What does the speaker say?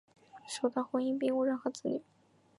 首段婚姻并无任何子女。